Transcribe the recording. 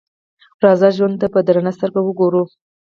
راځئ ژوند ته په درنه سترګه وګورو.